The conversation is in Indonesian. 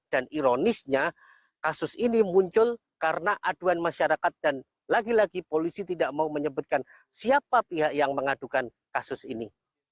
dan ironisnya kasus ini muncul karena aduan masyarakat dan lagi lagi polisi tidak mau menyebutkan siapa pihak yang mengadukan kasus ini